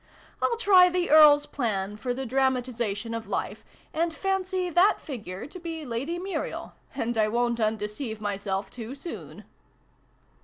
I'll try the Earl's plan for the Dramatisation of Life, and fancy that figure to be Lady Muriel ; and I won't undeceive myself too soon